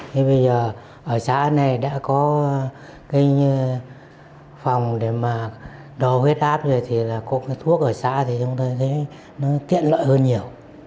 thế bây giờ ở xã này đã có cái phòng để mà đo huyết áp rồi thì là có cái thuốc ở xã thì chúng tôi thấy nó tiện lợi hơn nhiều